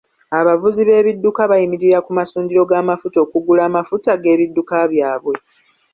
Abavuzi b'ebidduka bayimirira ku masundiro g'amafuta okugula amafuta g'ebidduka byabwe.